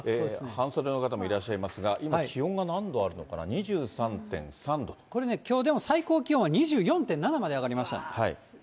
半袖の方もいらっしゃいますが、今、気温が何度あるのかな、これね、きょうでも最高気温は２４．７まで上がりました。